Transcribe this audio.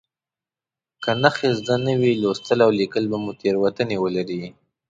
که نښې زده نه وي لوستل او لیکل به مو تېروتنې ولري.